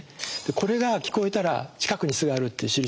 これが聞こえたら近くに巣があるっていうしるしです。